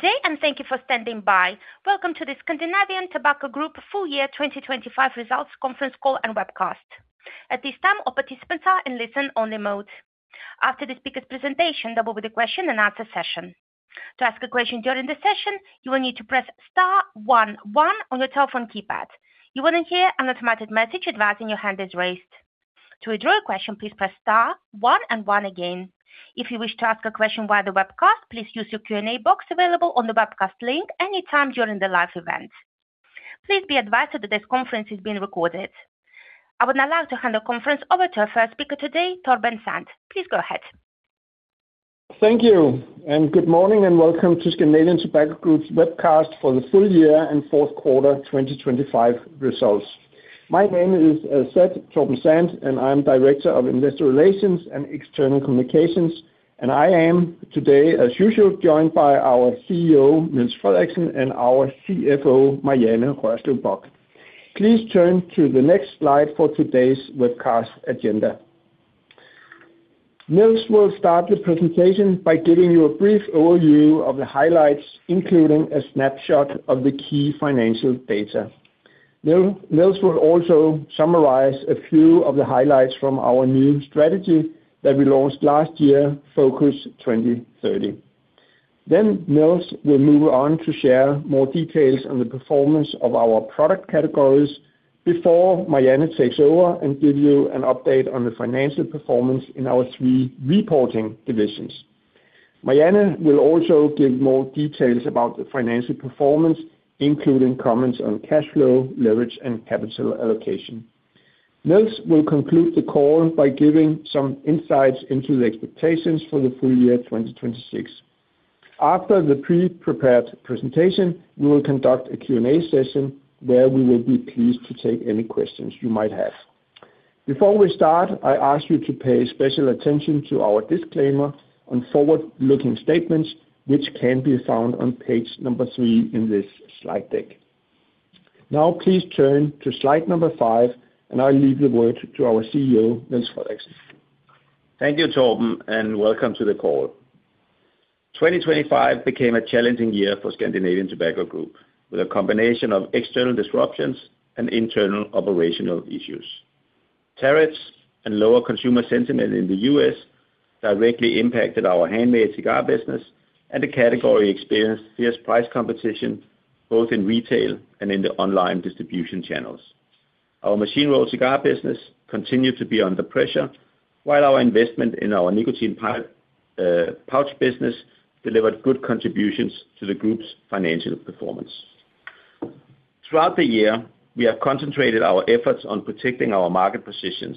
Good day. Thank you for standing by. Welcome to the Scandinavian Tobacco Group full year 2025 results conference call and webcast. At this time, all participants are in listen-only mode. After the speaker's presentation, there will be the question and answer session. To ask a question during the session, you will need to press star one one on your telephone keypad. You will hear an automatic message advising your hand is raised. To withdraw your question, please press star one and one again. If you wish to ask a question via the webcast, please use your Q&A box available on the webcast link any time during the live event. Please be advised that this conference is being recorded. I would now like to hand the conference over to our first speaker today, Torben Sand. Please go ahead. Thank you, good morning and welcome to Scandinavian Tobacco Group's webcast for the full year and fourth quarter 2025 results. My name is Sand, Torben Sand, I'm Director of Investor Relations and External Communications, I am today, as usual, joined by our CEO, Niels Frederiksen, and our CFO, Marianne Rørslev Bock. Please turn to the next slide for today's webcast agenda. Niels will start the presentation by giving you a brief overview of the highlights, including a snapshot of the key financial data. Niels will also summarize a few of the highlights from our new strategy that we launched last year, Focus 2030. Niels will move on to share more details on the performance of our product categories before Marianne takes over and give you an update on the financial performance in our three reporting divisions. Marianne will also give more details about the financial performance, including comments on cash flow, leverage, and capital allocation. Niels will conclude the call by giving some insights into the expectations for the full year 2026. After the pre-prepared presentation, we will conduct a Q&A session where we will be pleased to take any questions you might have. Before we start, I ask you to pay special attention to our disclaimer on forward-looking statements, which can be found on page number three in this slide deck. Please turn to slide number five, and I'll leave the word to our CEO, Niels Frederiksen. Thank you, Torben. Welcome to the call. 2025 became a challenging year for Scandinavian Tobacco Group with a combination of external disruptions and internal operational issues. Tariffs and lower consumer sentiment in the U.S. directly impacted our handmade cigar business and the category experienced fierce price competition both in retail and in the online distribution channels. Our machine-rolled cigar business continued to be under pressure while our investment in our nicotine pouch business delivered good contributions to the group's financial performance. Throughout the year, we have concentrated our efforts on protecting our market positions,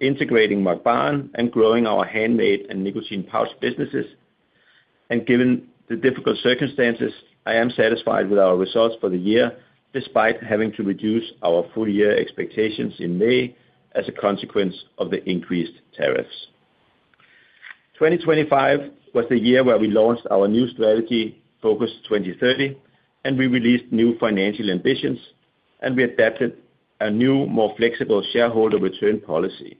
integrating Mac Baren, and growing our handmade and nicotine pouch businesses. Given the difficult circumstances, I am satisfied with our results for the year, despite having to reduce our full year expectations in May as a consequence of the increased tariffs. 2025 was the year where we launched our new strategy, Focus 2030. We released new financial ambitions. We adapted a new, more flexible shareholder return policy.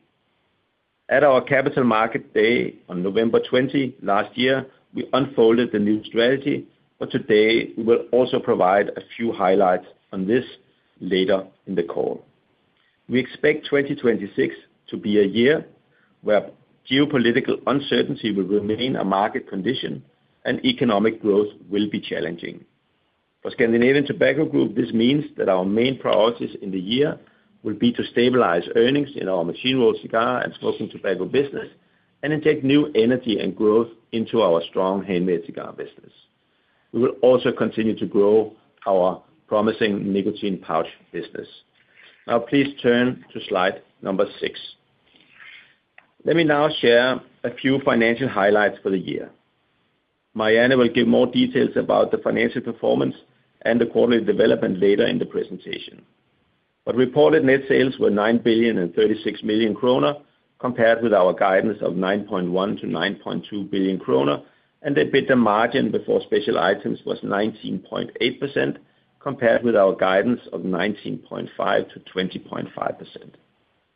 At our Capital Markets Day on November 20 last year, we unfolded the new strategy. Today we will also provide a few highlights on this later in the call. We expect 2026 to be a year where geopolitical uncertainty will remain a market condition and economic growth will be challenging. For Scandinavian Tobacco Group, this means that our main priorities in the year will be to stabilize earnings in our machine-rolled cigar and smoking tobacco business and inject new energy and growth into our strong handmade cigar business. We will also continue to grow our promising nicotine pouch business. Now please turn to slide number six. Let me now share a few financial highlights for the year. Marianne will give more details about the financial performance and the quarterly development later in the presentation. Reported net sales were 9.036 billion, compared with our guidance of 9.1 billion-9.2 billion kroner, and the EBITDA margin before special items was 19.8%, compared with our guidance of 19.5%-20.5%.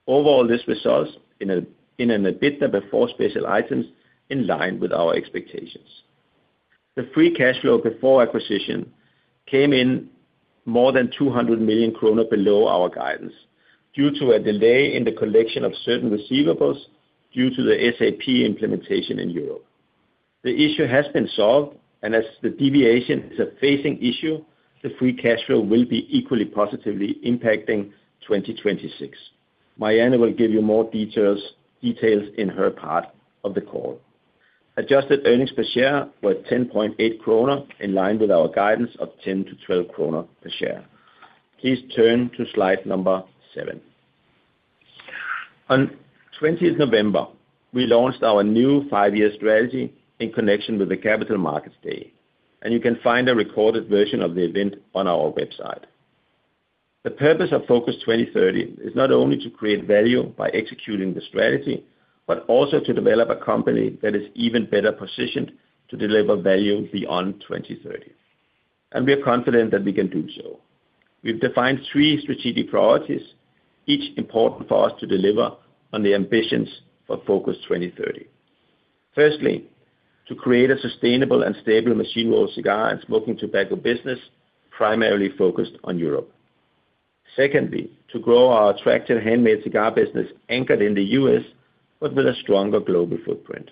Overall, this results in an EBITDA before special items in line with our expectations. The free cash flow before acquisition came in more than 200 million kroner below our guidance due to a delay in the collection of certain receivables due to the SAP implementation in Europe. The issue has been solved, and as the deviation is a phasing issue, the free cash flow will be equally positively impacting 2026. Marianne will give you more details in her part of the call. Adjusted earnings per share were 10.8 kroner, in line with our guidance of 10-12 kroner per share. Please turn to slide number seven. On 20th November, we launched our new five-year strategy in connection with the Capital Markets Day. You can find a recorded version of the event on our website. The purpose of Focus 2030 is not only to create value by executing the strategy, but also to develop a company that is even better positioned to deliver value beyond 2030. We are confident that we can do so. We've defined three strategic priorities, each important for us to deliver on the ambitions of Focus 2030. Firstly, to create a sustainable and stable machine-rolled cigar and smoking tobacco business, primarily focused on Europe. Secondly, to grow our attractive handmade cigar business anchored in the U.S., but with a stronger global footprint.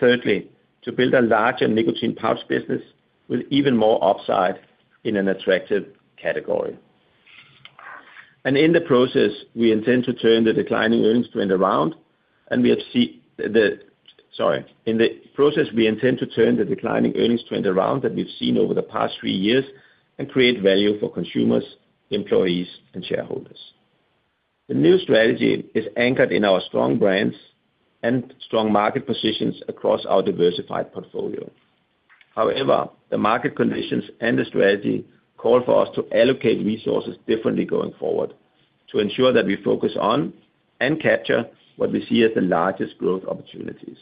Thirdly, to build a larger nicotine pouch business with even more upside in an attractive category. In the process, we intend to turn the declining earnings trend around, and we intend to turn the declining earnings trend around that we've seen over the past three years and create value for consumers, employees, and shareholders. The new strategy is anchored in our strong brands and strong market positions across our diversified portfolio. However, the market conditions and the strategy call for us to allocate resources differently going forward to ensure that we focus on and capture what we see as the largest growth opportunities.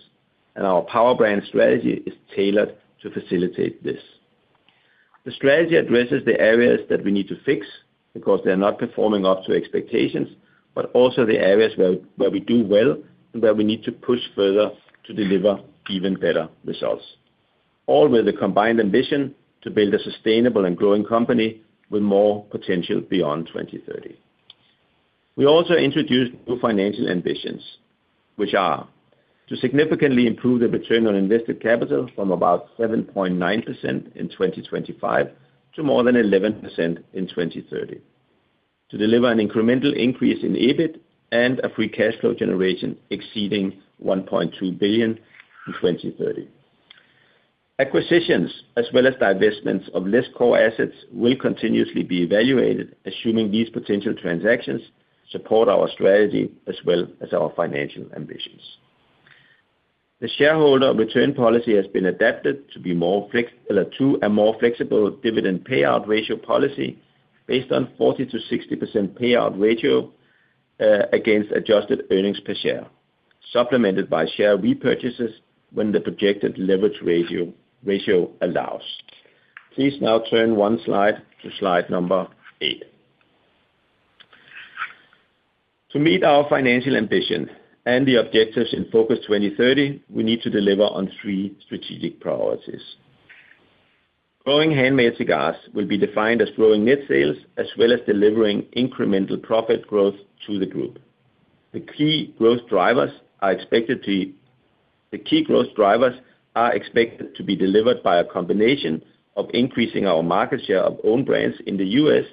Our power brand strategy is tailored to facilitate this. The strategy addresses the areas that we need to fix because they're not performing up to expectations. Also the areas where we do well and where we need to push further to deliver even better results. All with the combined ambition to build a sustainable and growing company with more potential beyond 2030. We also introduced new financial ambitions, which are to significantly improve the return on invested capital from about 7.9% in 2025 to more than 11% in 2030. To deliver an incremental increase in EBIT and a free cash flow generation exceeding 1.2 billion in 2030. Acquisitions as well as divestments of less core assets will continuously be evaluated, assuming these potential transactions support our strategy as well as our financial ambitions. The shareholder return policy has been adapted to be to a more flexible dividend payout ratio policy based on 40%-60% payout ratio against adjusted earnings per share, supplemented by share repurchases when the projected leverage ratio allows. Please now turn onr slide to slide number eight. To meet our financial ambition and the objectives in Focus 2030, we need to deliver on three strategic priorities. Growing handmade cigars will be defined as growing net sales as well as delivering incremental profit growth to the group. The key growth drivers are expected to be delivered by a combination of increasing our market share of own brands in the U.S.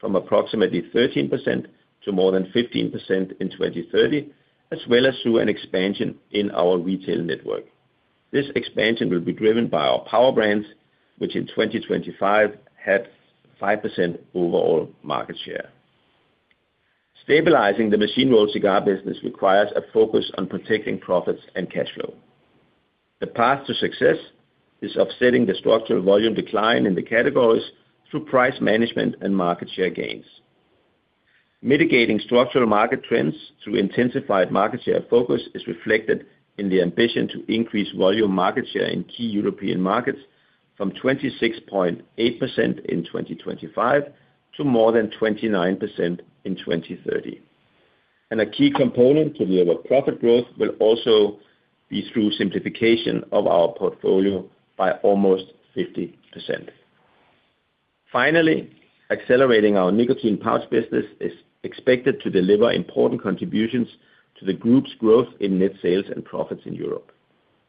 from approximately 13% to more than 15% in 2030, as well as through an expansion in our retail network. This expansion will be driven by our Power Brands, which in 2025 have 5% overall market share. Stabilizing the machine-rolled cigars business requires a focus on protecting profits and cash flow. The path to success is offsetting the structural volume decline in the categories through price management and market share gains. Mitigating structural market trends through intensified market share focus is reflected in the ambition to increase volume market share in key European markets from 26.8% in 2025 to more than 29% in 2030. A key component to deliver profit growth will also be through simplification of our portfolio by almost 50%. Finally, accelerating our nicotine pouch business is expected to deliver important contributions to the group's growth in net sales and profits in Europe.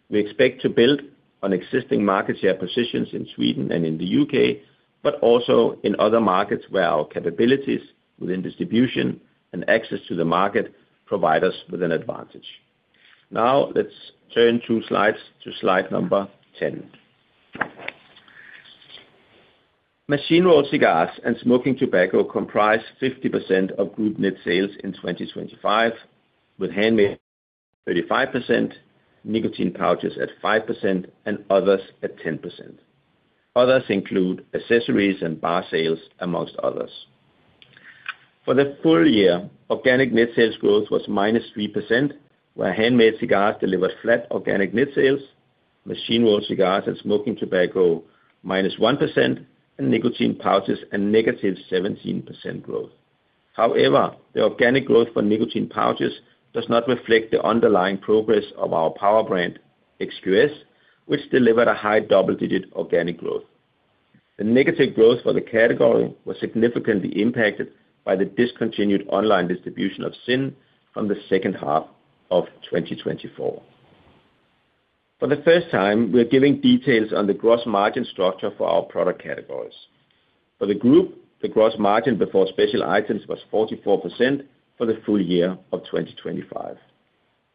We expect to build on existing market share positions in Sweden and in the U.K., but also in other markets where our capabilities within distribution and access to the market provide us with an advantage. Now let's turn two slides to slide number 10. Machine-rolled cigars and smoking tobacco comprise 50% of group net sales in 2025, with handmade 35%, nicotine pouches at 5%, and others at 10%. Others include accessories and bar sales, amongst others. For the full year, organic net sales growth was -3%, where handmade cigars delivered flat organic net sales, machine-rolled cigars and smoking tobacco -1%, and nicotine pouches a -17% growth. However, the organic growth for nicotine pouches does not reflect the underlying progress of our power brand, XQS, which delivered a high double-digit organic growth. The negative growth for the category was significantly impacted by the discontinued online distribution of ZYN from the second half of 2024. For the first time, we're giving details on the gross margin structure for our product categories. For the group, the gross margin before special items was 44% for the full year of 2025.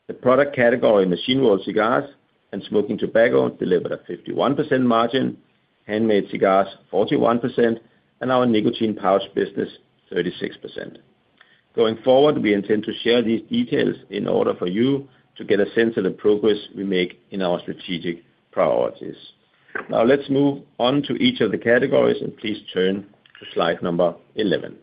The product category machine-rolled cigars and smoking tobacco delivered a 51% margin, handmade cigars 41%, and our nicotine pouch business 36%. Going forward, we intend to share these details in order for you to get a sense of the progress we make in our strategic priorities. Let's move on to each of the categories, and please turn to slide number 11.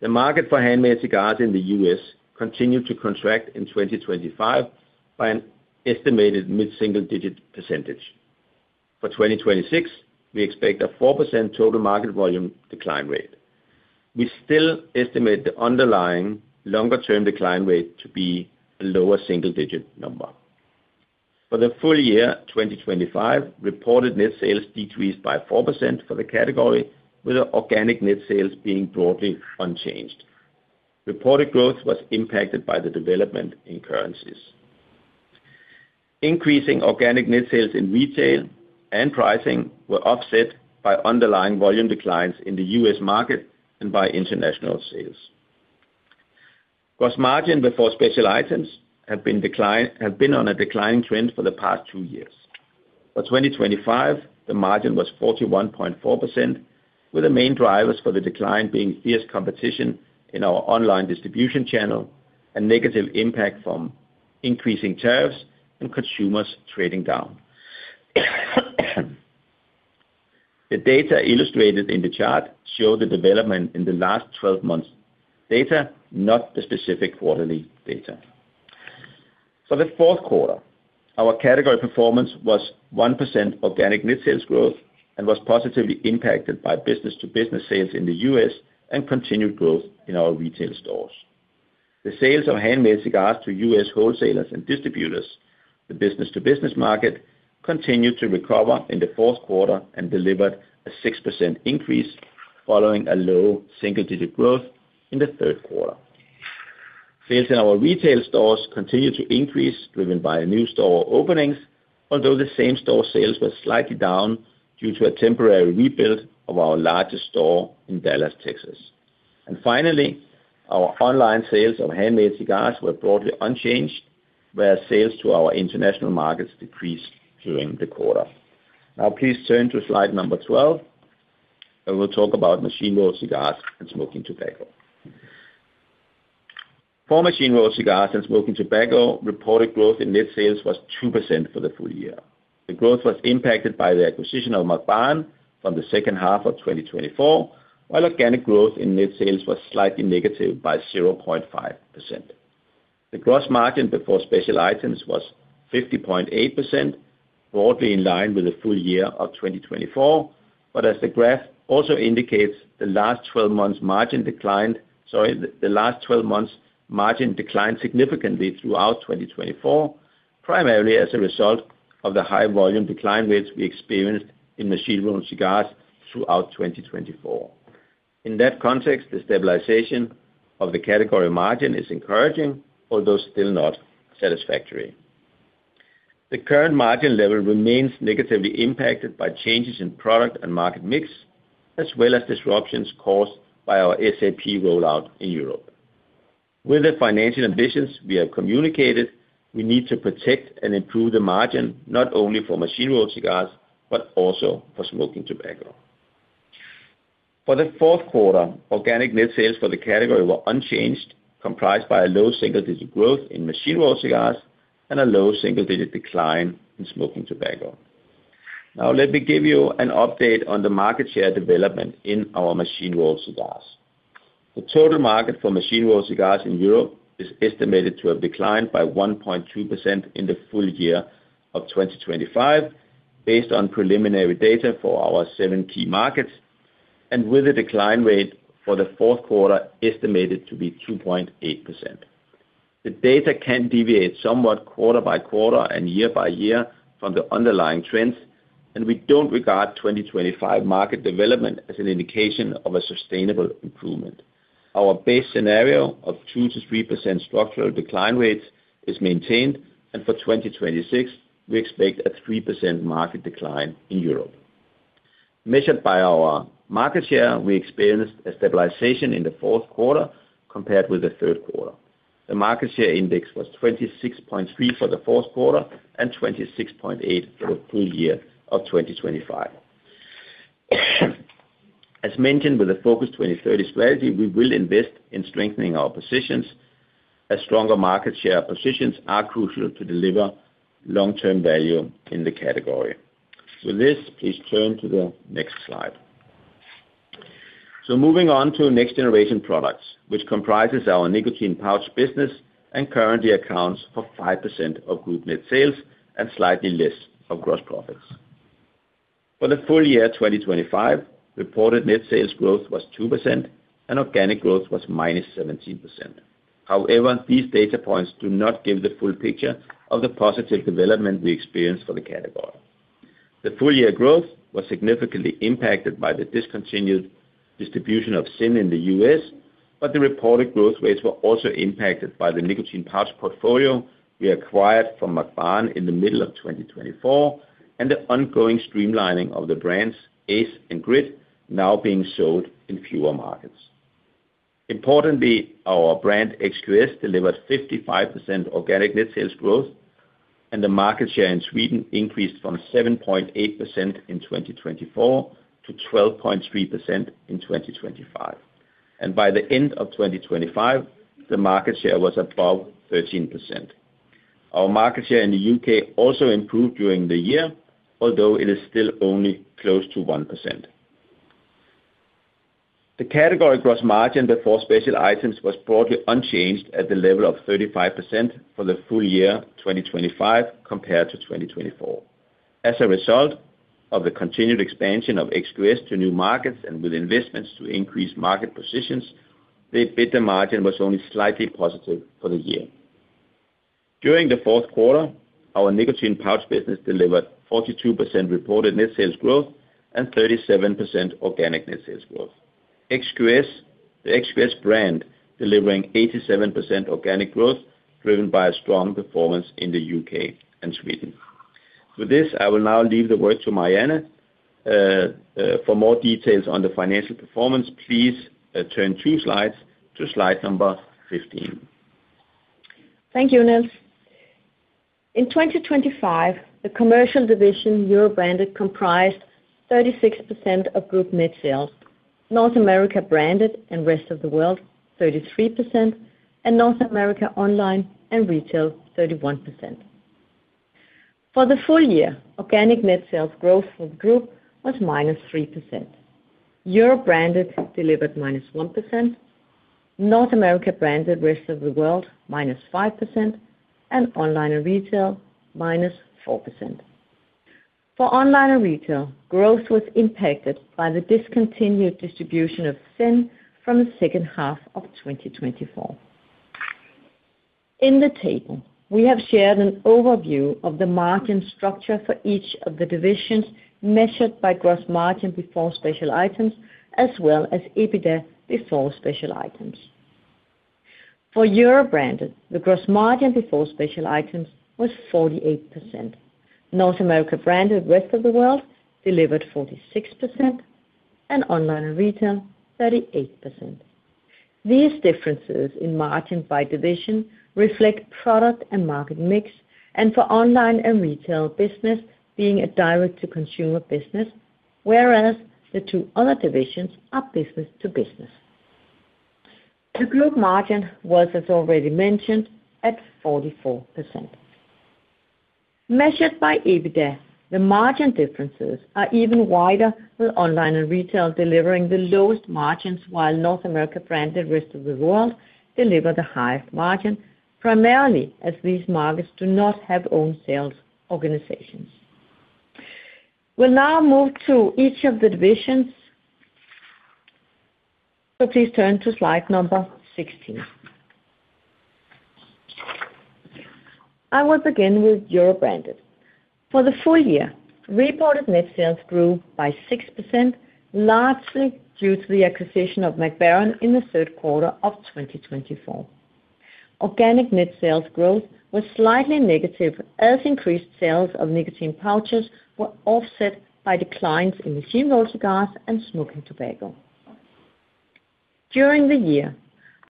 The market for handmade cigars in the U.S. continued to contract in 2025 by an estimated mid-single digit percentage. For 2026, we expect a 4% total market volume decline rate. We still estimate the underlying longer-term decline rate to be a lower single-digit number. For the full year 2025, reported net sales decreased by 4% for the category, with the organic net sales being broadly unchanged. Reported growth was impacted by the development in currencies. Increasing organic net sales in retail and pricing were offset by underlying volume declines in the U.S. market and by international sales. Gross margin before special items have been on a declining trend for the past two years. For 2025, the margin was 41.4%, with the main drivers for the decline being fierce competition in our online distribution channel and negative impact from increasing tariffs and consumers trading down. The data illustrated in the chart show the development in the last 12 months data, not the specific quarterly data. For the fourth quarter, our category performance was 1% organic net sales growth and was positively impacted by business-to-business sales in the U.S. and continued growth in our retail stores. The sales of handmade cigars to U.S. wholesalers and distributors, the business-to-business market, continued to recover in the fourth quarter and delivered a 6% increase following a low single-digit growth in the third quarter. Sales in our retail stores continued to increase, driven by new store openings, although the same-store sales were slightly down due to a temporary rebuild of our largest store in Dallas, Texas. Finally, our online sales of handmade cigars were broadly unchanged, where sales to our international markets decreased during the quarter. Please turn to slide number 12, and we'll talk about machine-rolled cigars and smoking tobacco. For machine-rolled cigars and smoking tobacco, reported growth in net sales was 2% for the full year. The growth was impacted by the acquisition of Mac Baren from the second half of 2024, while organic growth in net sales was slightly negative by 0.5%. The gross margin before special items was 50.8%, broadly in line with the full year of 2024. As the graph also indicates, the last 12 months margin declined significantly throughout 2024, primarily as a result of the high volume decline rates we experienced in machine-rolled cigars throughout 2024. In that context, the stabilization of the category margin is encouraging, although still not satisfactory. The current margin level remains negatively impacted by changes in product and market mix, as well as disruptions caused by our SAP rollout in Europe. With the financial ambitions we have communicated, we need to protect and improve the margin not only for machine-rolled cigars, but also for smoking tobacco. For the fourth quarter, organic net sales for the category were unchanged, comprised by a low single-digit growth in machine-rolled cigars and a low single-digit decline in smoking tobacco. Let me give you an update on the market share development in our machine-rolled cigars. The total market for machine-rolled cigars in Europe is estimated to have declined by 1.2% in the full year of 2025, based on preliminary data for our seven key markets, and with a decline rate for the fourth quarter estimated to be 2.8%. The data can deviate somewhat quarter by quarter and year by year from the underlying trends, and we don't regard 2025 market development as an indication of a sustainable improvement. Our base scenario of 2%-3% structural decline rates is maintained, and for 2026, we expect a 3% market decline in Europe. Measured by our market share, we experienced a stabilization in the fourth quarter compared with the third quarter. The market share index was 26.3 for the fourth quarter and 26.8 for the full year of 2025. As mentioned, with the Focus 2030 strategy, we will invest in strengthening our positions as stronger market share positions are crucial to deliver long-term value in the category. For this, please turn to the next slide. Moving on to Next Generation Products, which comprises our nicotine pouch business and currently accounts for 5% of group net sales and slightly less of gross profits. For the full year 2025, reported net sales growth was 2% and organic growth was -17%. These data points do not give the full picture of the positive development we experienced for the category. The full year growth was significantly impacted by the discontinued distribution of ZYN in the U.S., the reported growth rates were also impacted by the nicotine pouch portfolio we acquired from Mac Baren in the middle of 2024 and the ongoing streamlining of the brands ACE and GRIT now being sold in fewer markets. Importantly, our brand XQS delivered 55% organic net sales growth, and the market share in Sweden increased from 7.8% in 2024 to 12.3% in 2025. By the end of 2025, the market share was above 13%. Our market share in the U.K. also improved during the year, although it is still only close to 1%. The category gross margin before special items was broadly unchanged at the level of 35% for the full year 2025 compared to 2024. As a result of the continued expansion of XQS to new markets and with investments to increase market positions, the EBITDA margin was only slightly positive for the year. During the fourth quarter, our nicotine pouch business delivered 42% reported net sales growth and 37% organic net sales growth. XQS, the XQS brand delivering 87% organic growth driven by strong performance in the U.K. and Sweden. With this, I will now leave the word to Marianne for more details on the financial performance, please turn two slides to slide number 15. Thank you, Niels. In 2025, the commercial division Europe Branded comprised 36% of group net sales. North America Branded and Rest of World, 33%, and North America Online and Retail, 31%. For the full year, organic net sales growth for the group was -3%. Europe Branded delivered -1%, North America Branded and Rest of World, -5%, and Online and Retail, -4%. For Online and Retail, growth was impacted by the discontinued distribution of ZYN from the second half of 2024. In the table, we have shared an overview of the margin structure for each of the divisions measured by gross margin before special items, as well as EBITDA before special items. For Europe Branded, the gross margin before special items was 48%. North America Branded Rest of World delivered 46%, and Online and Retail, 38%. These differences in margin by division reflect product and market mix, and for Online and Retail business being a direct to consumer business, whereas the two other divisions are business to business. The group margin was, as already mentioned, at 44%. Measured by EBITDA, the margin differences are even wider, with Online and Retail delivering the lowest margins, while North America Branded Rest of World deliver the highest margin, primarily as these markets do not have own sales organizations. We'll now move to each of the divisions. Please turn to slide number 16. I will begin with Europe Branded. For the full year, reported net sales grew by 6%, largely due to the acquisition of Mac Baren in the third quarter of 2024. Organic net sales growth was slightly negative, as increased sales of nicotine pouches were offset by declines in machine-rolled cigars and smoking tobacco. During the year,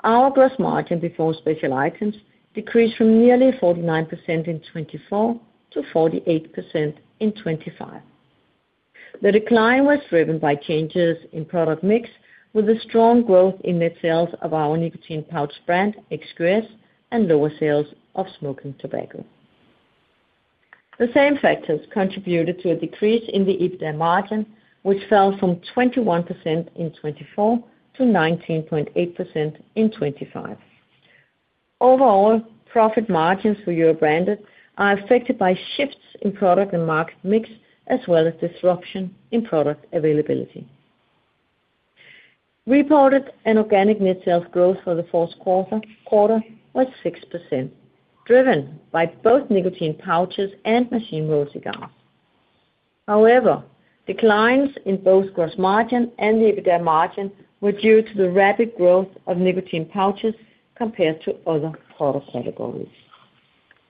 our gross margin before special items decreased from nearly 49% in 2024 to 48% in 2025. The decline was driven by changes in product mix with the strong growth in net sales of our nicotine pouch brand, XQS, and lower sales of smoking tobacco. The same factors contributed to a decrease in the EBITDA margin, which fell from 21% in 2024 to 19.8% in 2025. Overall, profit margins for Europe Branded are affected by shifts in product and market mix, as well as disruption in product availability. Reported and organic net sales growth for the fourth quarter was 6%, driven by both nicotine pouches and machine-rolled cigars. However, declines in both gross margin and the EBITDA margin were due to the rapid growth of nicotine pouches compared to other product categories.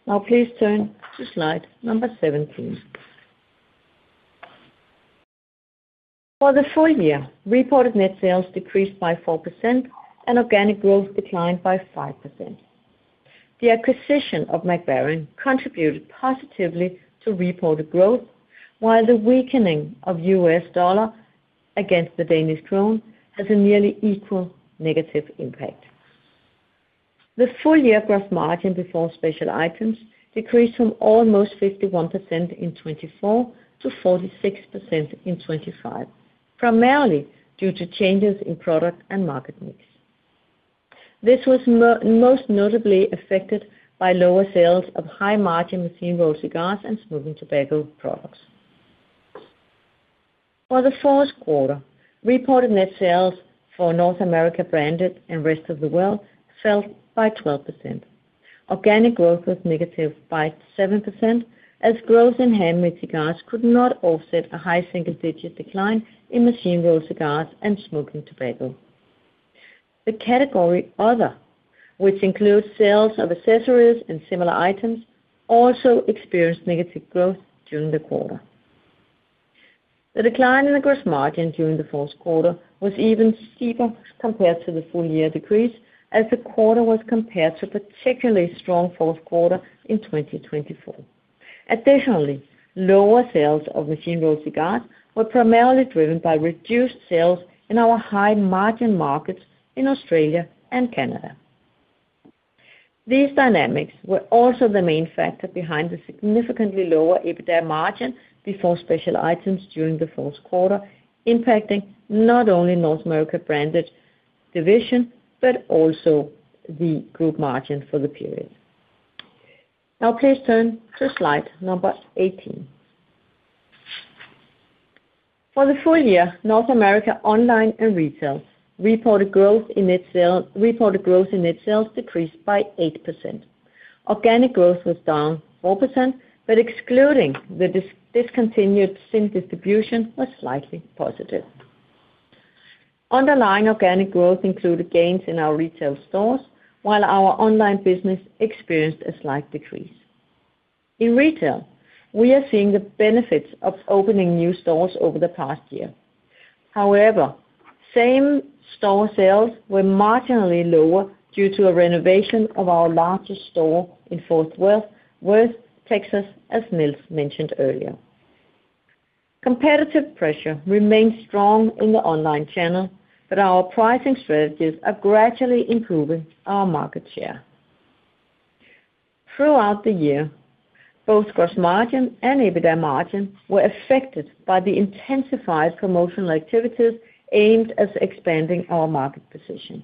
Now please turn to slide number 17. For the full year, reported net sales decreased by 4% and organic growth declined by 5%. The acquisition of Mac Baren contributed positively to reported growth, while the weakening of U.S. dollar against the Danish krone has a nearly equal negative impact. The full year gross margin before special items decreased from almost 51% in 2024 to 46% in 2025, primarily due to changes in product and market mix. This was most notably affected by lower sales of high-margin machine-rolled cigars and smoking tobacco products. For the fourth quarter, reported net sales for North America Branded and Rest of World fell by 12%. Organic growth was negative by 7%, as growth in handmade cigars could not offset a high single-digit decline in machine-rolled cigars and smoking tobacco. The category other, which includes sales of accessories and similar items, also experienced negative growth during the quarter. The decline in the gross margin during the fourth quarter was even steeper compared to the full year decrease as the quarter was compared to a particularly strong fourth quarter in 2024. Additionally, lower sales of machine-rolled cigars were primarily driven by reduced sales in our high margin markets in Australia and Canada. These dynamics were also the main factor behind the significantly lower EBITDA margin before special items during the fourth quarter, impacting not only North America Branded division, but also the group margin for the period. Please turn to slide number 18. For the full year, North America Online and Retail reported growth in net sales decreased by 8%. Organic growth was down 4%, but excluding the discontinued ZYN distribution was slightly positive. Underlying organic growth included gains in our retail stores, while our online business experienced a slight decrease. In retail, we are seeing the benefits of opening new stores over the past year. However, same store sales were marginally lower due to a renovation of our largest store in Fort Worth, Texas, as Niels mentioned earlier. Competitive pressure remains strong in the online channel, but our pricing strategies are gradually improving our market share. Throughout the year, both gross margin and EBITDA margin were affected by the intensified promotional activities aimed at expanding our market position.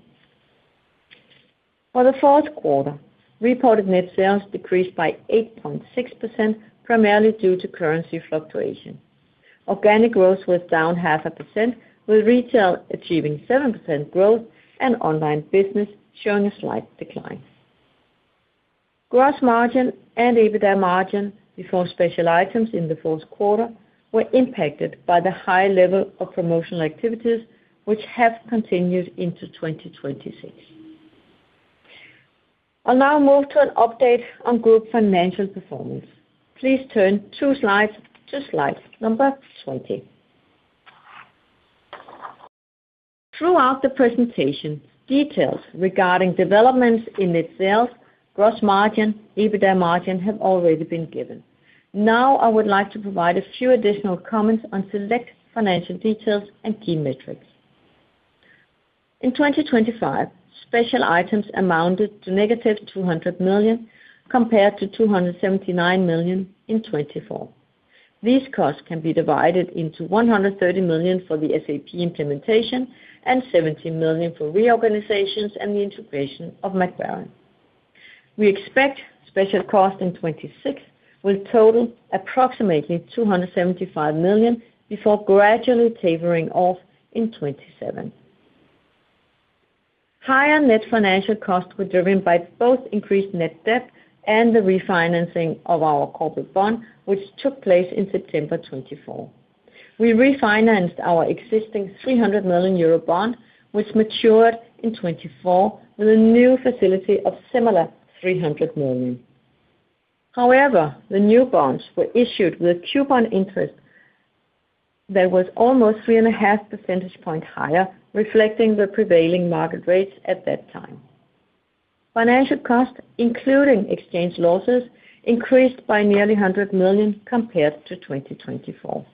For the fourth quarter, reported net sales decreased by 8.6%, primarily due to currency fluctuation. Organic growth was down 0.5%, with retail achieving 7% growth and online business showing a slight decline. Gross margin and EBITDA margin before special items in the fourth quarter were impacted by the high level of promotional activities, which have continued into 2026. I'll now move to an update on group financial performance. Please turn two slides to slide number 20. Throughout the presentation, details regarding developments in net sales, gross margin, EBITDA margin have already been given. I would like to provide a few additional comments on select financial details and key metrics. In 2025, special items amounted to -200 million, compared to 279 million in 2024. These costs can be divided into 130 million for the SAP implementation and 70 million for reorganizations and the integration of Mac Baren. We expect special costs in 2026 will total approximately 275 million before gradually tapering off in 2027. Higher net financial costs were driven by both increased net debt and the refinancing of our corporate bond, which took place in September 2024. We refinanced our existing 300 million euro bond, which matured in 2024 with a new facility of similar 300 million. The new bonds were issued with coupon interest that was almost 3.5 percentage point higher, reflecting the prevailing market rates at that time. Financial costs, including exchange losses, increased by nearly 100 million compared to 2024.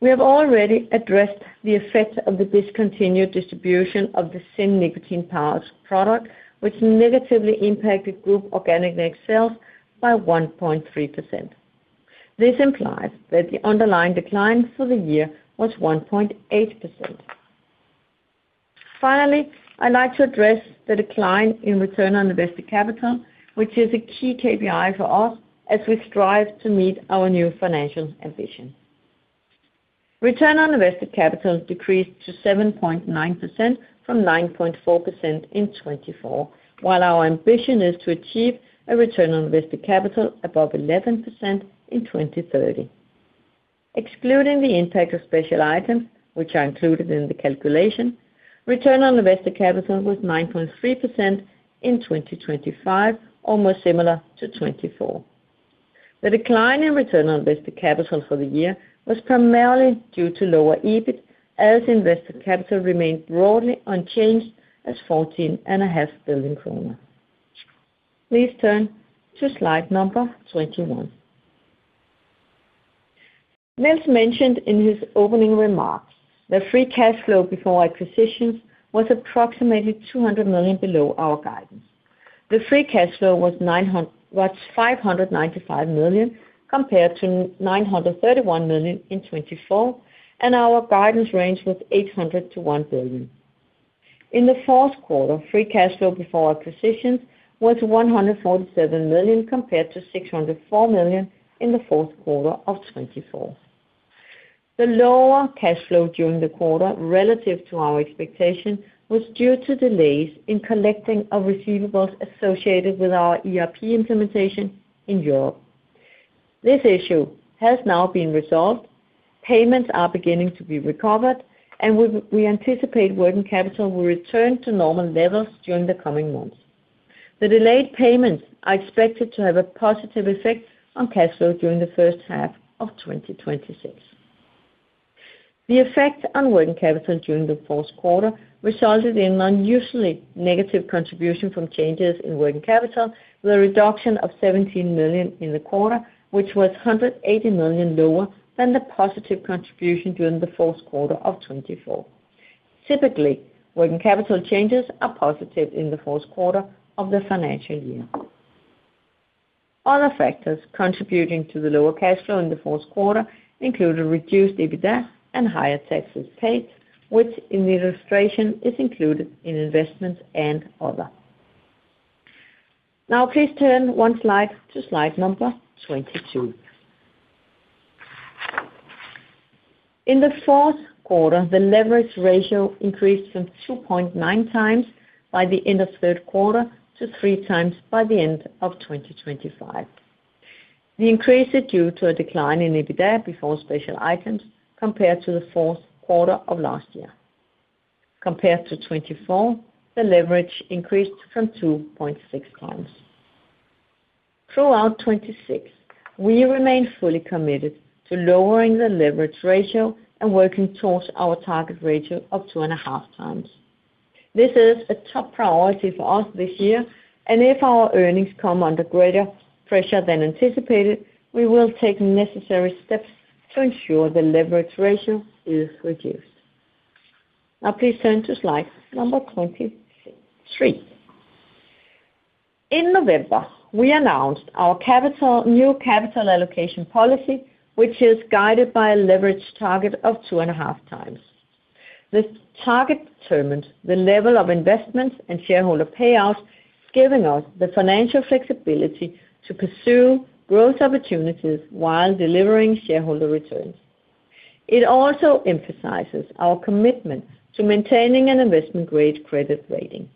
We have already addressed the effect of the discontinued distribution of the ZYN nicotine pouch product, which negatively impacted group organic net sales by 1.3%. This implies that the underlying decline for the year was 1.8%. Finally, I'd like to address the decline in return on invested capital, which is a key KPI for us as we strive to meet our new financial ambition. Return on invested capital decreased to 7.9% from 9.4% in 2024, while our ambition is to achieve a return on invested capital above 11% in 2030. Excluding the impact of special items, which are included in the calculation, return on invested capital was 9.3% in 2025, almost similar to 2024. The decline in return on invested capital for the year was primarily due to lower EBIT, as invested capital remained broadly unchanged at 14.5 billion kroner. Please turn to slide number 21. Niels mentioned in his opening remarks that free cash flow before acquisitions was approximately 200 million below our guidance. The free cash flow was 595 million, compared to 931 million in 2024. Our guidance range was 800 million to 1 billion. In the fourth quarter, free cash flow before acquisitions was 147 million compared to 604 million in the fourth quarter of 2024. The lower cash flow during the quarter relative to our expectation was due to delays in collecting our receivables associated with our ERP implementation in Europe. This issue has now been resolved. Payments are beginning to be recovered, we anticipate working capital will return to normal levels during the coming months. The delayed payments are expected to have a positive effect on cash flow during the first half of 2026. The effect on working capital during the fourth quarter resulted in unusually negative contribution from changes in working capital, with a reduction of 17 million in the quarter, which was 180 million lower than the positive contribution during the fourth quarter of 2024. Typically, working capital changes are positive in the fourth quarter of the financial year. Other factors contributing to the lower cash flow in the fourth quarter include a reduced EBITA and higher taxes paid, which in the illustration is included in investments and other. Please turn one slide to slide number 22. In the fourth quarter, the leverage ratio increased from 2.9x by the end of third quarter to 3x by the end of 2025. The increase is due to a decline in EBITA before special items compared to the fourth quarter of last year. Compared to 2024, the leverage increased from 2.6x. Throughout 2026, we remain fully committed to lowering the leverage ratio and working towards our target ratio of 2.5x. This is a top priority for us this year, and if our earnings come under greater pressure than anticipated, we will take necessary steps to ensure the leverage ratio is reduced. Please turn to slide number 23. In November, we announced our new capital allocation policy, which is guided by a leverage target of 2.5x. This target determines the level of investments and shareholder payouts, giving us the financial flexibility to pursue growth opportunities while delivering shareholder returns. It also emphasizes our commitment to maintaining an investment-grade credit rating.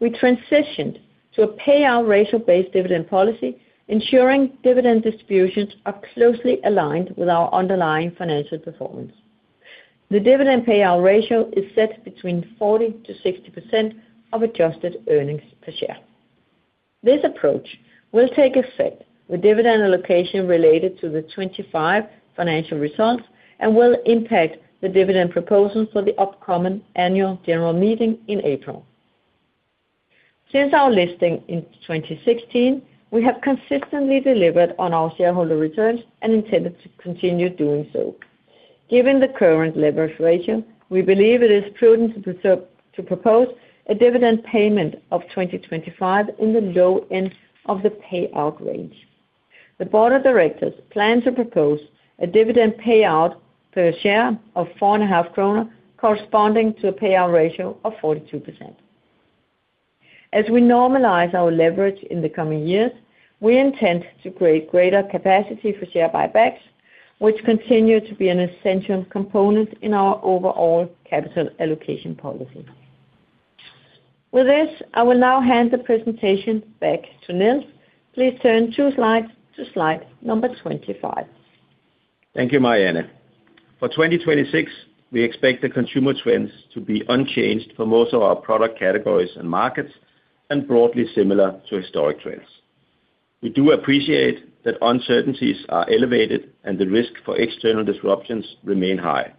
We transitioned to a payout ratio-based dividend policy, ensuring dividend distributions are closely aligned with our underlying financial performance. The dividend payout ratio is set between 40%-60% of adjusted earnings per share. This approach will take effect with dividend allocation related to the 2025 financial results and will impact the dividend proposals for the upcoming annual general meeting in April. Since our listing in 2016, we have consistently delivered on our shareholder returns and intended to continue doing so. Given the current leverage ratio, we believe it is prudent to propose a dividend payment of 2025 in the low end of the payout range. The board of directors plan to propose a dividend payout per share of four and a half kroner, corresponding to a payout ratio of 42%. As we normalize our leverage in the coming years, we intend to create greater capacity for share buybacks, which continue to be an essential component in our overall capital allocation policy. With this, I will now hand the presentation back to Niels. Please turn two slides to slide number 25. Thank you, Marianne. For 2026, we expect the consumer trends to be unchanged for most of our product categories and markets, and broadly similar to historic trends. We do appreciate that uncertainties are elevated and the risk for external disruptions remain high.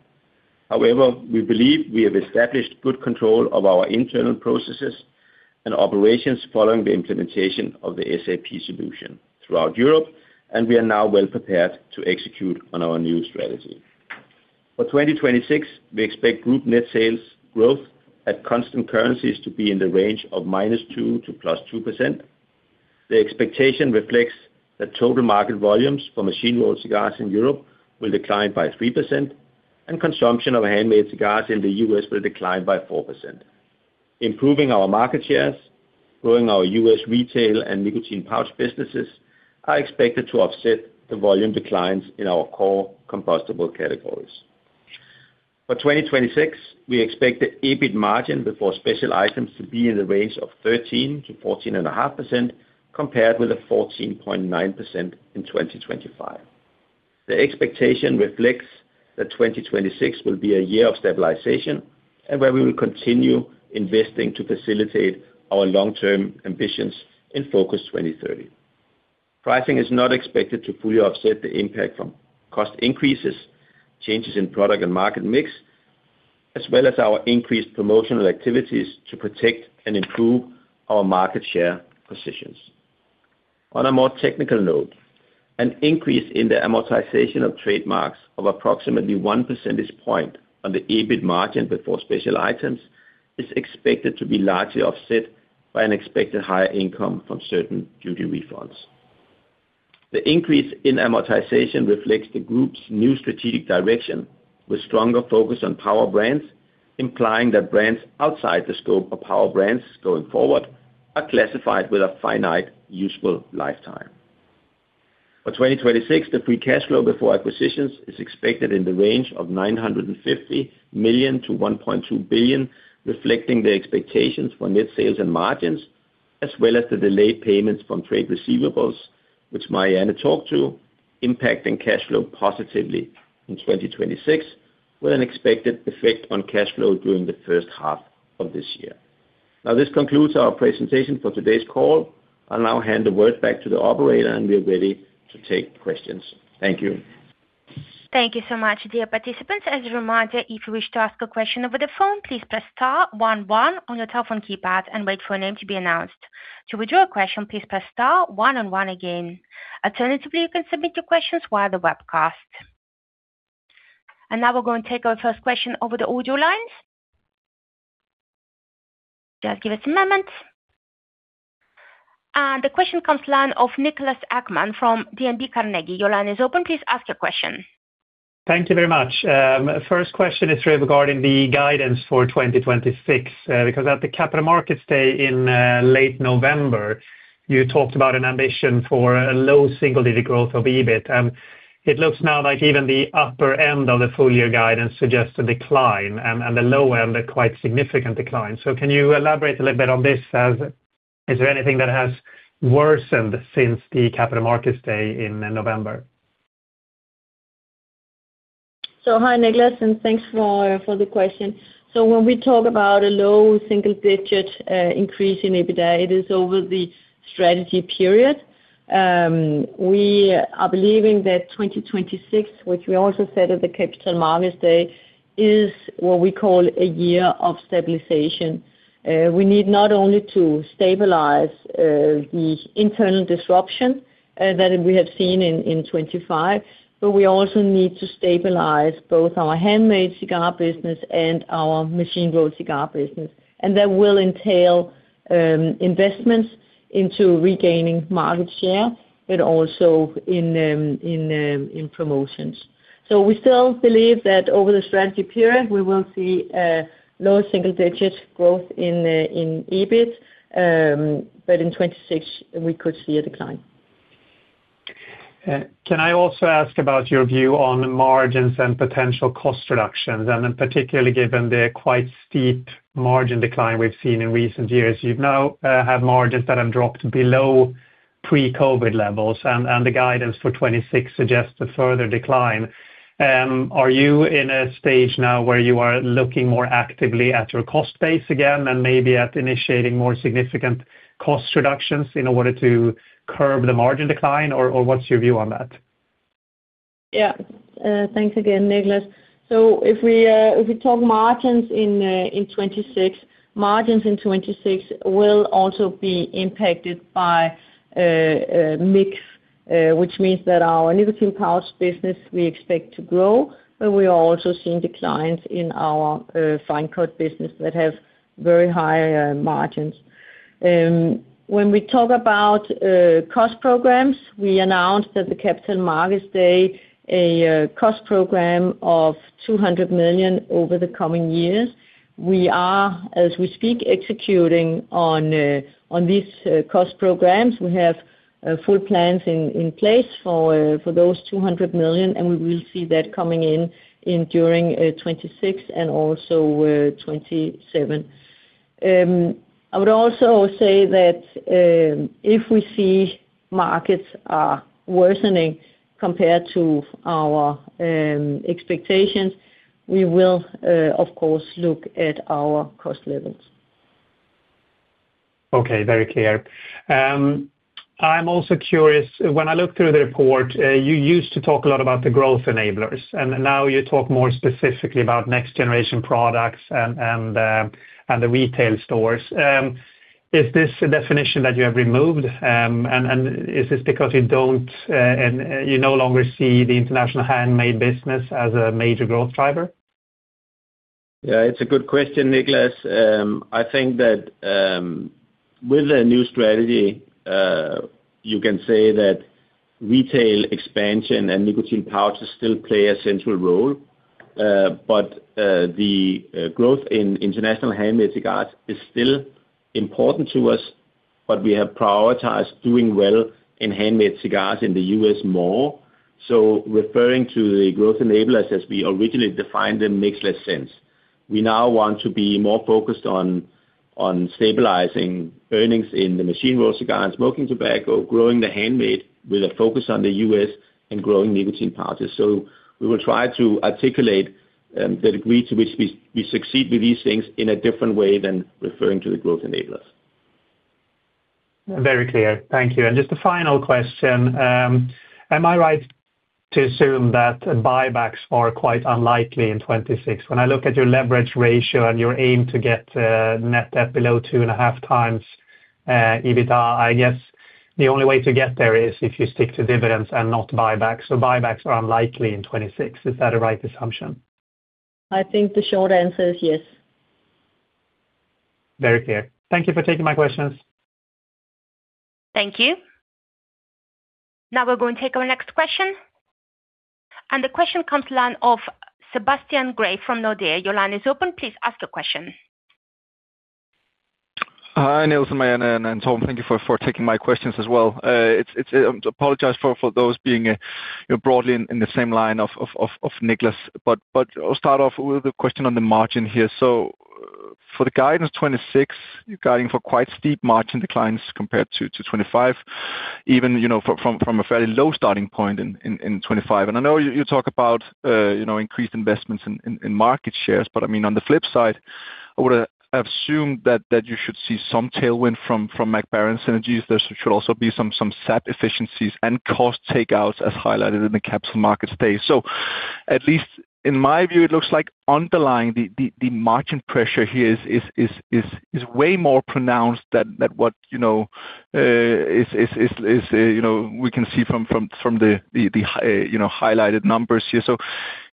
We believe we have established good control of our internal processes and operations following the implementation of the SAP solution throughout Europe, and we are now well prepared to execute on our new strategy. For 2026, we expect group net sales growth at constant currencies to be in the range of -2% to +2%. The expectation reflects that total market volumes for machine-rolled cigars in Europe will decline by 3%, and consumption of handmade cigars in the U.S. will decline by 4%. Improving our market shares, growing our U.S. retail and nicotine pouch businesses are expected to offset the volume declines in our core combustible categories. For 2026, we expect the EBIT margin before special items to be in the range of 13%-14.5%, compared with a 14.9% in 2025. The expectation reflects that 2026 will be a year of stabilization and where we will continue investing to facilitate our long-term ambitions in Focus 2030. Pricing is not expected to fully offset the impact from cost increases, changes in product and market mix, as well as our increased promotional activities to protect and improve our market share positions. On a more technical note, an increase in the amortization of trademarks of approximately 1 percentage point on the EBIT margin before special items is expected to be largely offset by an expected higher income from certain duty refunds. The increase in amortization reflects the group's new strategic direction, with stronger focus on Power Brands, implying that brands outside the scope of Power Brands going forward are classified with a finite useful lifetime. For 2026, the free cash flow before acquisitions is expected in the range of 950 million-1.2 billion, reflecting the expectations for net sales and margins, as well as the delayed payments from trade receivables, which Marianne talked to, impacting cash flow positively in 2026, with an expected effect on cash flow during the first half of this year. This concludes our presentation for today's call. I'll now hand the word back to the operator, and we are ready to take questions. Thank you. Thank you so much, dear participants. As a reminder, if you wish to ask a question over the phone, please press star one one on your telephone keypad and wait for a name to be announced. To withdraw a question, please press star one and one again. Alternatively, you can submit your questions via the webcast. Now we're gonna take our first question over the audio lines. Just give us a moment. The question comes line of Niklas Ekman from DNB Carnegie. Your line is open. Please ask your question. Thank you very much. First question is regarding the guidance for 2026. At the Capital Markets Day in late November, you talked about an ambition for a low single-digit growth of EBIT. It looks now like even the upper end of the full year guidance suggests a decline and the low end a quite significant decline. Can you elaborate a little bit on this? Is there anything that has worsened since the Capital Markets Day in November? Hi, Niklas, and thanks for the question. When we talk about a low single-digit increase in EBITDA, it is over the strategy period. We are believing that 2026, which we also said at the Capital Markets Day, is what we call a year of stabilization. We need not only to stabilize the internal disruption that we have seen in 2025, but we also need to stabilize both our handmade cigar business and our machine-rolled cigar business. That will entail investments into regaining market share, but also in promotions. We still believe that over the strategy period, we will see a low single-digit growth in EBIT, but in 2026 we could see a decline. Can I also ask about your view on margins and potential cost reductions, particularly given the quite steep margin decline we've seen in recent years? You now have margins that have dropped below pre-COVID levels and the guidance for 2026 suggests a further decline. Are you in a stage now where you are looking more actively at your cost base again and maybe at initiating more significant cost reductions in order to curb the margin decline or what's your view on that? Yeah. Thanks again, Niklas. If we talk margins in 2026, margins in 2026 will also be impacted by mix, which means that our nicotine pouch business we expect to grow, but we are also seeing declines in our fine-cut tobacco business that have very high margins. When we talk about cost programs, we announced at the Capital Markets Day a cost program of 200 million over the coming years. We are, as we speak, executing on these cost programs. We have full plans in place for those 200 million, and we will see that coming in during 2026 and also 2027. I would also say that, if we see markets are worsening compared to our expectations, we will, of course, look at our cost levels. Okay. Very clear. I'm also curious. When I look through the report, you used to talk a lot about the Growth Enablers, and now you talk more specifically about Next Generation Products and the retail stores. Is this a definition that you have removed? Is this because you no longer see the international handmade business as a major growth driver? Yeah, it's a good question, Niklas. I think that, with the new strategy, you can say that retail expansion and nicotine pouches still play a central role. The growth in international handmade cigars is still important to us, but we have prioritized doing well in handmade cigars in the U.S. more. Referring to the Growth Enablers as we originally defined them makes less sense. We now want to be more focused on stabilizing earnings in the machine-rolled cigar and smoking tobacco, growing the handmade with a focus on the U.S. and growing nicotine pouches. We will try to articulate the degree to which we succeed with these things in a different way than referring to the Growth Enablers. Very clear. Thank you. Just a final question. Am I right to assume that buybacks are quite unlikely in 2026? When I look at your leverage ratio and your aim to get net debt below 2.5x EBITDA, I guess the only way to get there is if you stick to dividends and not buybacks. Buybacks are unlikely in 2026. Is that a right assumption? I think the short answer is yes. Very clear. Thank you for taking my questions. Thank you. Now we're going to take our next question. The question comes line of Sebastian Grave from Nordea. Your line is open. Please ask the question. Hi, Niels and Marianne and Torb. Thank you for taking my questions as well. I apologize for those being, you know, broadly in the same line of Niklas, but I'll start off with a question on the margin here. For the guidance 2026, you're guiding for quite steep margin declines compared to 2025. Even, you know, from a fairly low starting point in 2025. I know you talk about, you know, increased investments in market shares. I mean, on the flip side, I would assume that you should see some tailwind from Mac Baren synergies. There should also be some SAP efficiencies and cost takeouts as highlighted in the Capital Markets Day. At least in my view, it looks like underlying the margin pressure here is way more pronounced than what, you know, is, you know, we can see from the high, you know, highlighted numbers here.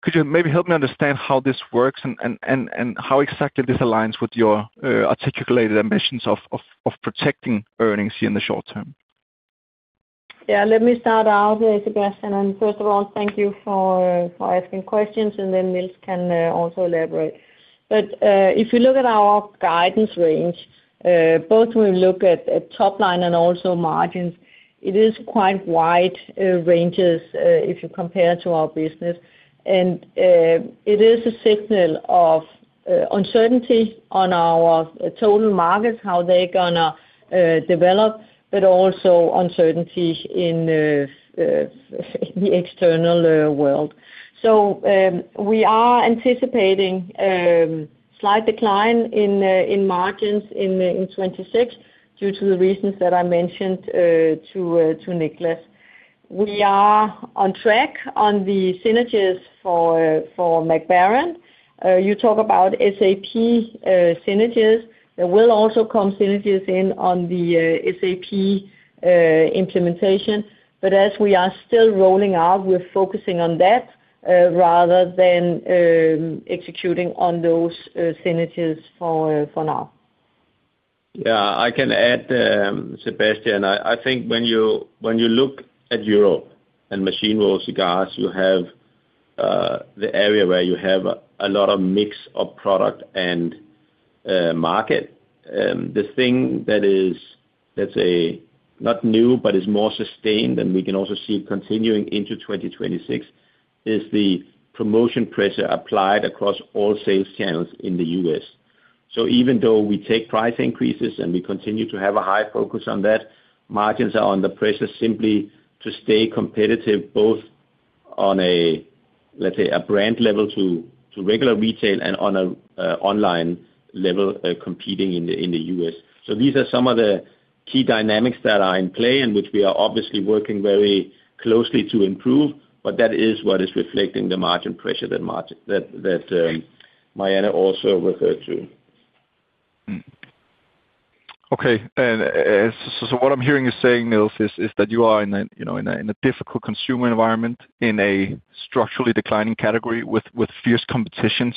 Could you maybe help me understand how this works and how exactly this aligns with your articulated ambitions of protecting earnings here in the short term? Yeah, let me start out Sebastian, and first of all thank you for asking questions and then Niels can also elaborate. If you look at our guidance range, both when we look at top line and also margins, it is quite wide ranges, if you compare to our business. It is a signal of uncertainty on our total markets, how they're gonna develop, but also uncertainty in the external world. We are anticipating slight decline in margins in 2026 due to the reasons that I mentioned to Niklas. We are on track on the synergies for Mac Baren. You talk about SAP synergies. There will also come synergies in on the SAP implementation. As we are still rolling out, we're focusing on that, rather than executing on those synergies for for now. Yeah, I can add, Sebastian. I think when you look at Europe and machine-rolled cigars, you have the area where you have a lot of mix of product and market. The thing that is, let's say, not new but is more sustained, and we can also see continuing into 2026, is the promotion pressure applied across all sales channels in the U.S. Even though we take price increases and we continue to have a high focus on that, margins are under pressure simply to stay competitive, both on a, let's say, a brand level to regular retail and on a online level, competing in the U.S. These are some of the key dynamics that are in play and which we are obviously working very closely to improve. That is what is reflecting the margin pressure that Marianne also referred to. Okay. What I'm hearing you saying, Niels, is that you are in a, you know, in a difficult consumer environment, in a structurally declining category with fierce competitions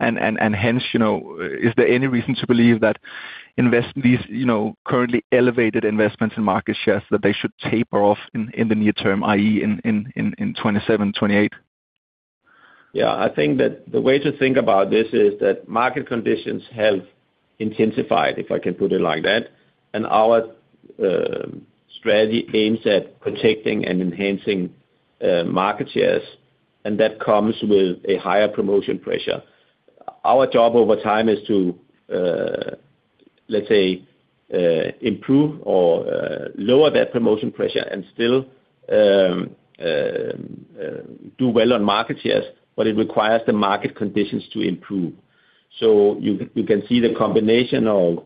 and hence, you know, is there any reason to believe that invest these, you know, currently elevated investments in market shares that they should taper off in the near term, i.e., in 2027, 2028? Yeah. I think that the way to think about this is that market conditions have intensified, if I can put it like that. Our strategy aims at protecting and enhancing market shares, and that comes with a higher promotion pressure. Our job over time is to, let's say, improve or lower that promotion pressure and still do well on market shares, but it requires the market conditions to improve. You can see the combination of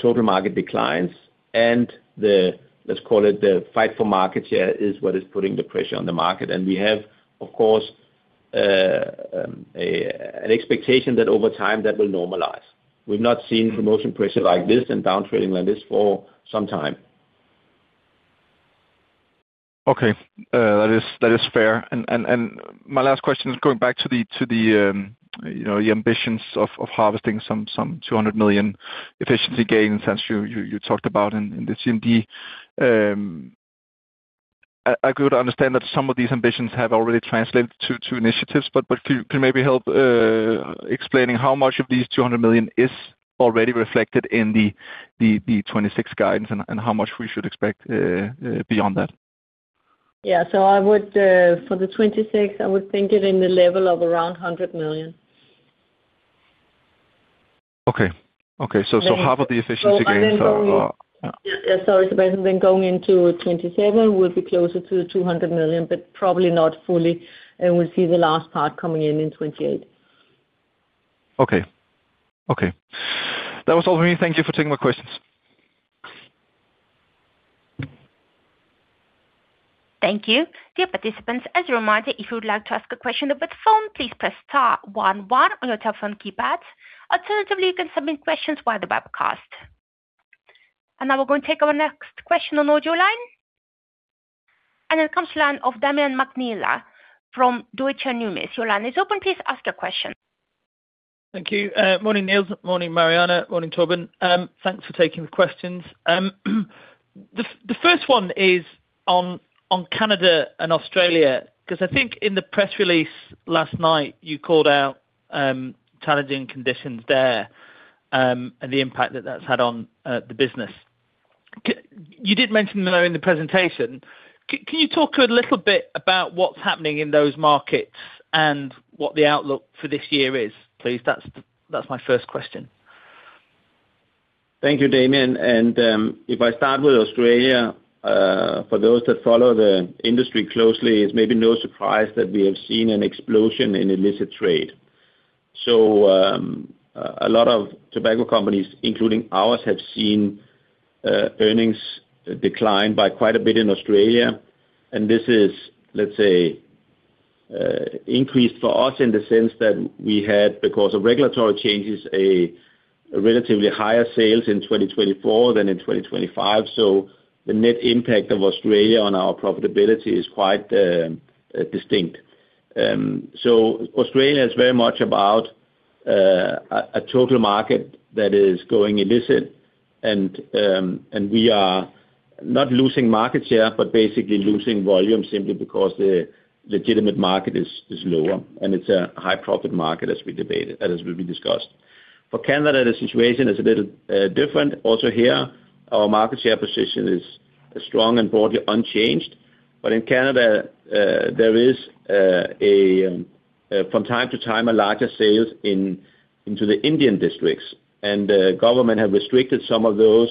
total market declines and the, let's call it, the fight for market share is what is putting the pressure on the market. We have, of course, an expectation that over time that will normalize. We've not seen promotion pressure like this and down trading like this for some time. Okay. That is fair. My last question is going back to the, to the, you know, the ambitions of harvesting some 200 million efficiency gains as you talked about in the CMD. I could understand that some of these ambitions have already translated to initiatives, but can you maybe help explaining how much of these 200 million is already reflected in the 2026 guidance and how much we should expect beyond that? Yeah. I would, for 2026, I would think it in the level of around 100 million. Okay. Okay. Half of the efficiency gains are So then going – yeah. Sorry, Sebastian. Going into 2027, we'll be closer to the 200 million, probably not fully. We'll see the last part coming in in 2028. Okay. Okay. That was all for me. Thank you for taking my questions. Thank you. Dear participants, as a reminder, if you would like to ask a question over the phone, please press star one one on your telephone keypads. Alternatively, you can submit questions via the webcast. Now we're going to take our next question on audio line. It comes to line of Damian McNeela from Deutsche Numis. Your line is open, please ask your question. Thank you. Morning, Niels. Morning, Marianne. Morning, Torben. Thanks for taking the questions. The first one is on Canada and Australia, 'cause I think in the press release last night, you called out challenging conditions there, and the impact that's had on the business. You did mention though in the presentation, can you talk a little bit about what's happening in those markets and what the outlook for this year is, please? That's my first question. Thank you, Damian. If I start with Australia, for those that follow the industry closely, it's maybe no surprise that we have seen an explosion in illicit trade. A lot of tobacco companies, including ours, have seen earnings decline by quite a bit in Australia. This is, let's say, increased for us in the sense that we had, because of regulatory changes, a relatively higher sales in 2024 than in 2025. The net impact of Australia on our profitability is quite distinct. Australia is very much about a total market that is going illicit. We are not losing market share, but basically losing volume simply because the legitimate market is lower, and it's a high profit market, as we debated, as we discussed. For Canada, the situation is a little different. Also here, our market share position is strong and broadly unchanged. In Canada, there is, from time to time, a larger sales into the Indian districts. The government have restricted some of those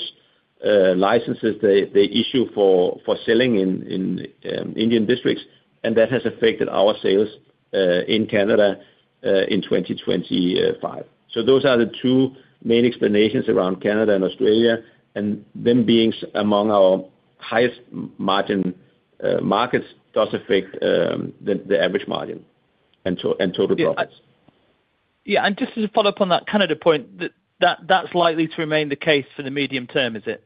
licenses they issue for selling in Indian districts, and that has affected our sales in Canada in 2025. Those are the two main explanations around Canada and Australia. Them being among our highest margin markets does affect the average margin and total profits. Yeah. Just to follow up on that Canada point, that's likely to remain the case for the medium term, is it?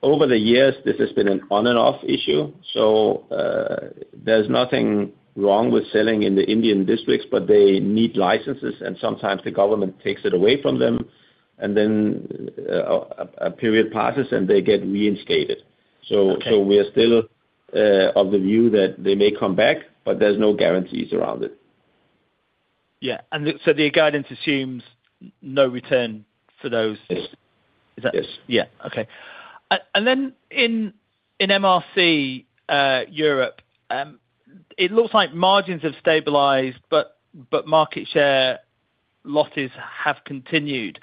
Over the years, this has been an on and off issue. There's nothing wrong with selling in the Indian districts, they need licenses, and sometimes the government takes it away from them. A period passes, and they get reinstated. Okay. We are still of the view that they may come back, but there's no guarantees around it. Yeah. The guidance assumes no return for those- Yes. Is that- Yes. Yeah. Okay. In, in MRC, Europe, it looks like margins have stabilized, but market share losses have continued.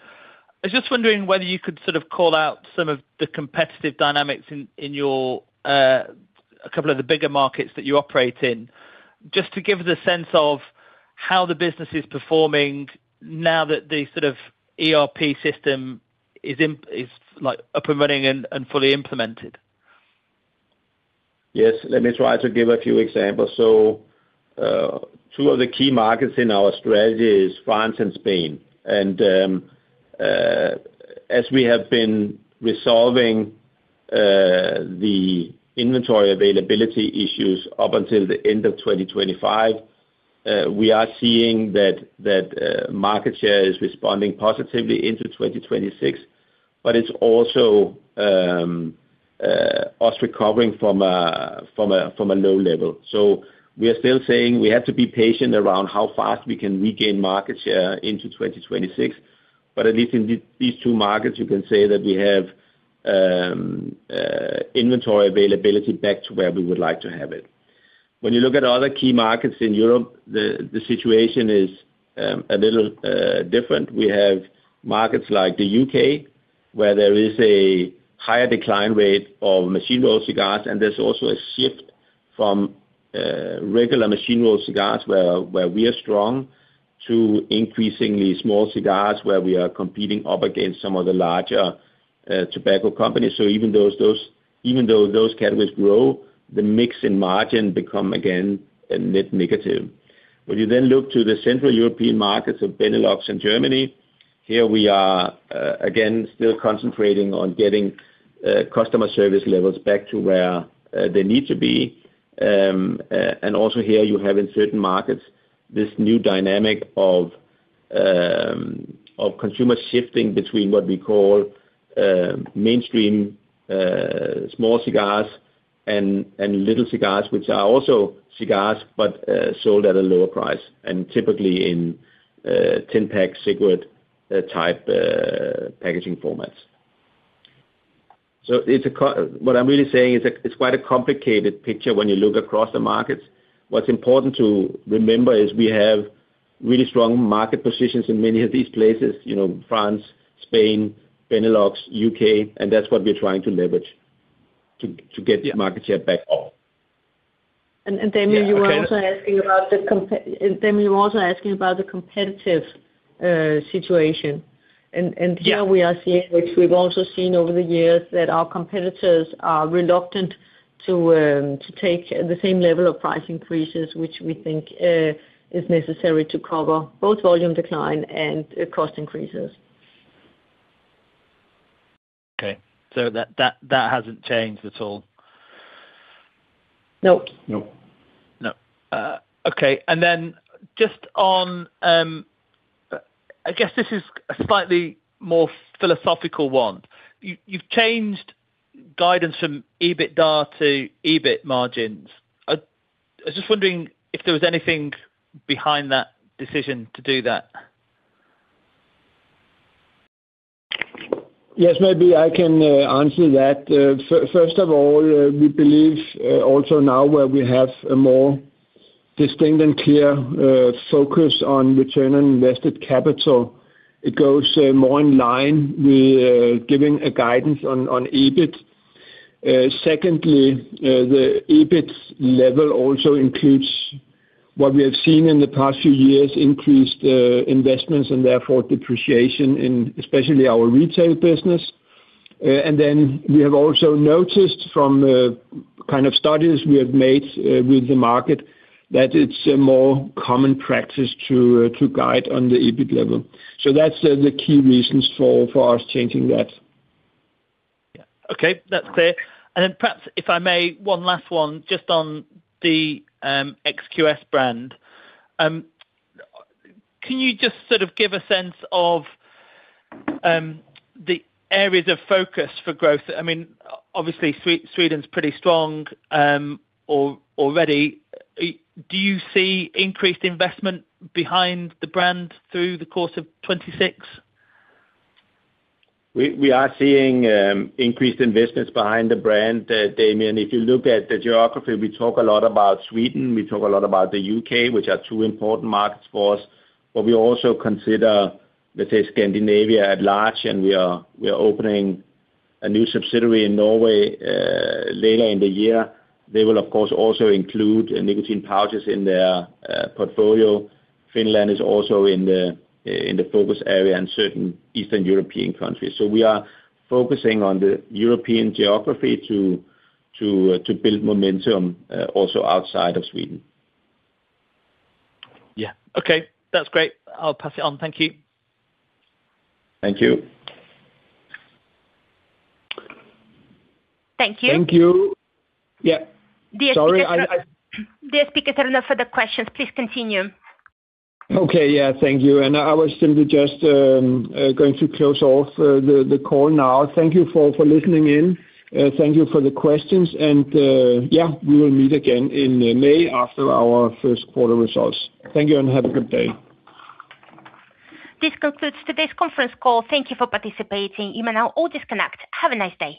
I was just wondering whether you could sort of call out some of the competitive dynamics in your, a couple of the bigger markets that you operate in, just to give us a sense of how the business is performing now that the sort of ERP system is, like, up and running and fully implemented. Yes. Let me try to give a few examples. Two of the key markets in our strategy is France and Spain. As we have been resolving the inventory availability issues up until the end of 2025, we are seeing that market share is responding positively into 2026, but it's also us recovering from a low level. We are still saying we have to be patient around how fast we can regain market share into 2026. At least in these two markets, you can say that we have inventory availability back to where we would like to have it. You look at other key markets in Europe, the situation is a little different. We have markets like the U.K., where there is a higher decline rate of machine-rolled cigars, and there's also a shift from regular machine-rolled cigars, where we are strong, to increasingly small cigars, where we are competing up against some of the larger tobacco companies. Even though those categories grow, the mix and margin become, again, a net negative. You look to the Central European markets of Benelux and Germany, here we are, again, still concentrating on getting customer service levels back to where they need to be. Also here you have in certain markets this new dynamic of consumer shifting between what we call mainstream small cigars and little cigars, which are also cigars, but sold at a lower price and typically in 10-pack cigarette type packaging formats. What I'm really saying is it's quite a complicated picture when you look across the markets. What's important to remember is we have really strong market positions in many of these places, you know, France, Spain, Benelux, U.K., and that's what we're trying to leverage to get the market share back up. Damian, you were also asking about the competitive situation. Here we are seeing, which we've also seen over the years, that our competitors are reluctant to take the same level of price increases, which we think, is necessary to cover both volume decline and cost increases. Okay. That hasn't changed at all? Nope. No. No. Okay. Just on, I guess this is a slightly more philosophical one. You've changed guidance from EBITDA to EBIT margins. I was just wondering if there was anything behind that decision to do that? Maybe I can answer that. First of all, we believe also now where we have a more distinct and clear focus on return on invested capital, it goes more in line. We are giving a guidance on EBIT. Secondly, the EBIT level also includes what we have seen in the past few years, increased investments and therefore depreciation in especially our retail business. Then we have also noticed from kind of studies we have made with the market, that it's a more common practice to guide on the EBIT level. That's the key reasons for us changing that. Yeah. Okay. That's clear. Perhaps if I may, one last one just on the XQS brand, can you just sort of give a sense of the areas of focus for growth? I mean, obviously Sweden's pretty strong already. Do you see increased investment behind the brand through the course of 2026? We are seeing increased investments behind the brand, Damian. If you look at the geography, we talk a lot about Sweden, we talk a lot about the U.K., which are two important markets for us. We also consider, let's say, Scandinavia at large, and we are opening a new subsidiary in Norway later in the year. They will of course also include nicotine pouches in their portfolio. Finland is also in the focus area and certain Eastern European countries. We are focusing on the European geography to build momentum also outside of Sweden. Yeah. Okay. That's great. I'll pass it on. Thank you. Thank you. Thank you. Thank you. Yeah. Sorry, I – The speakers have no further questions. Please continue. Okay. Yeah. Thank you. I was simply just going to close off the call now. Thank you for listening in. Thank you for the questions and we will meet again in May after our first quarter results. Thank you, have a good day. This concludes today's conference call. Thank you for participating. You may now all disconnect. Have a nice day.